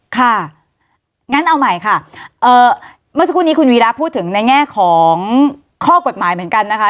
ค่ะงั้นเอาใหม่ค่ะเมื่อสักครู่นี้คุณวีระพูดถึงในแง่ของข้อกฎหมายเหมือนกันนะคะ